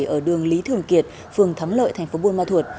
ở đường lý thường kiệt phường thấm lợi thành phố buôn ma thuột